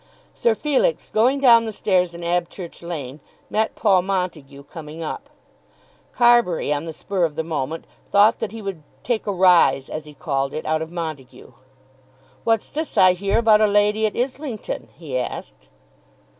Sir Felix going down the stairs in Abchurch Lane met Paul Montague coming up. Carbury, on the spur of the moment, thought that he would "take a rise" as he called it out of Montague. "What's this I hear about a lady at Islington?" he asked.